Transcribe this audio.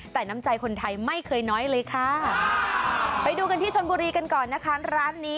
แต่น้ำใจคนไทยไม่เคยน้อยเลยค่ะไปดูกันที่ชนบุรีกันก่อนนะคะร้านนี้